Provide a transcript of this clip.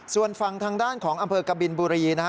ส่วนฝั่งทางด้านของอำเภอกบินบุรีนะฮะ